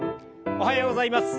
おはようございます。